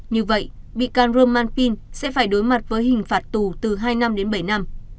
như vậy bị can roman pin sẽ phải đối mặt với hình phạt tù từ hai năm đến bảy năm